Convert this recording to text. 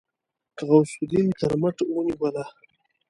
غوث الدين تر مټ ونيوله.